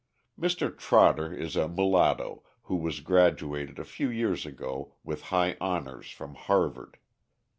Mr. Trotter is a mulatto who was graduated a few years ago with high honours from Harvard.